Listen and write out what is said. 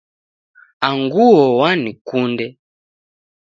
Anguo wankunde.